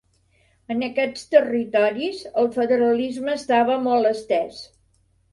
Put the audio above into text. En aquests territoris, el federalisme estava molt estès.